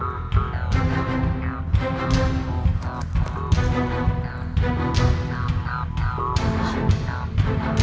aku tidak mau hidup